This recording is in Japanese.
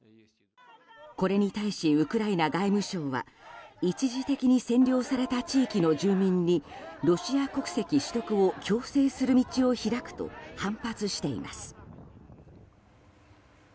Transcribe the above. これに対しウクライナ外務省は一時的に占領された地域の住民にロシア国籍取得を強制する道を開くと反発しています。